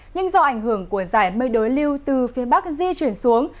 nhưng do ảnh hưởng của giải mây đối lưu từ phía bắc di chuyển xuống